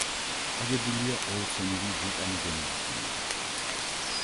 აგებულია ეოცენური ვულკანოგენური ქანებით.